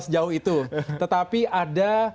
sejauh itu tetapi ada